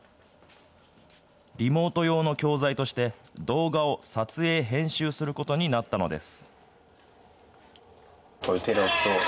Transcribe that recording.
リモート用の教材として動画を撮影、編集することになったのです。